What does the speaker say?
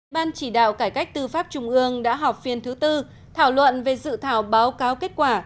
ban chỉ đạo cải cách tư pháp trung ương đã họp phiên thứ tư thảo luận về dự thảo báo cáo kết quả